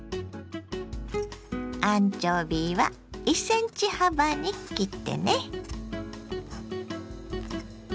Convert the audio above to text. アンチョビは１ｃｍ幅に切ってね。